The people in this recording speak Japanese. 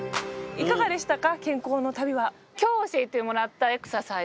いかがでしたか？